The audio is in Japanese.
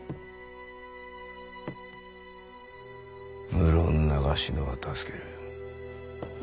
無論長篠は助ける。